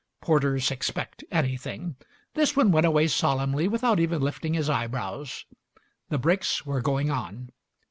Porters expect anything. This one went away solemnly without even lifting his eyebrows. The brakes were going on.